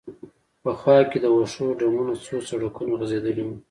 په خوا کې د وښو ډمونه، څو سړکونه غځېدلي و.